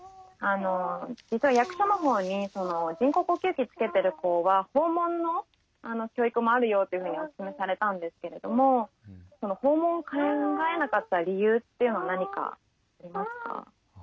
実は役所の方に人工呼吸器つけてる子は訪問の教育もあるよっていうふうにお勧めされたんですけれども訪問を考えなかった理由っていうのは何かありますか。